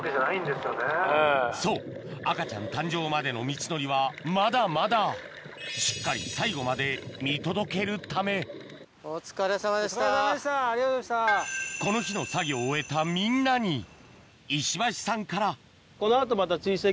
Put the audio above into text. そう赤ちゃん誕生までの道のりはまだまだしっかり最後まで見届けるためこの日の作業を終えたみんなに石橋さんから何これ。